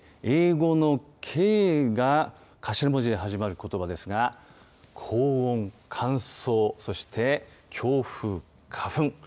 英語のＫが頭文字で始まることばですが、高温、乾燥、そして強風、花粉。